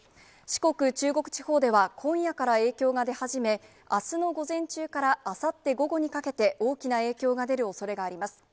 四国、中国地方では、今夜から影響が出始め、あすの午前中からあさって午後にかけて、大きな影響が出るおそれがあります。